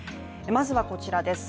まずはこちらです。